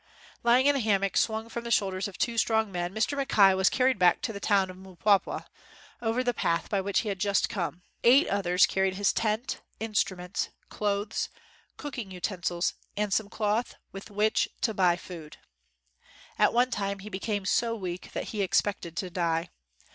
Lying in a hammock swung from the shoulders of two strong men Mr. Mackay was carried back to the town of Mpwapwa over the path by which he had just come. Eight others carried his tent, instruments, 46 AFTER THE NEWS WAS READ clothes, cooking utensils, and some cloth with which to buy food. At one time, he became so weak that he expected to die.